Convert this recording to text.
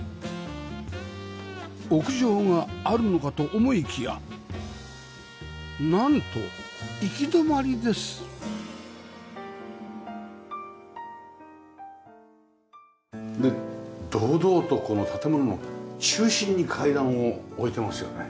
屋上があるのかと思いきやなんと行き止まりですで堂々とこの建物の中心に階段を置いてますよね？